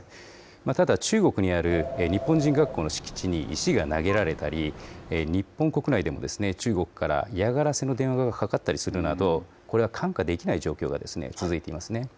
ただ中国にある日本人学校の敷地に石が投げられたり、日本国内でも中国から嫌がらせの電話がかかったりするなど、これは看過できない状況が続いていますね。